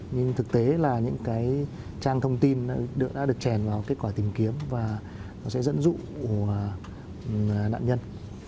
nhưng thực tế là những trang thông tin đã được trèn vào kết quả tìm kiếm và nó sẽ dẫn dụ nạn nhân